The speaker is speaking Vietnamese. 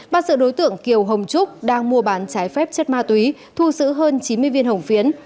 bắt sự đối tượng kiều hồng trúc đang mua bán trái phép chất ma túy thu xử hơn chín mươi viên hồng phiến